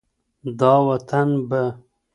دا وطن به